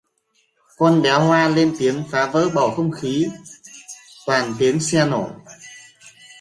Con bé Hoa lên tiếng phá vỡ bầu không khí toàn tiếng xe nổ